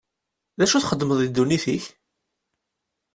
D acu i txeddmeḍ deg ddunit-k?